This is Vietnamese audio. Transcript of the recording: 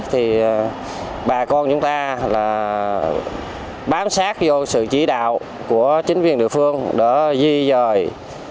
thì bà con chúng ta bám sát vô sự chỉ đạo của chính viên địa phương để di dời